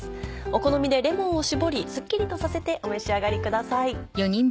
お好みでレモンを搾りすっきりとさせてお召し上がりください。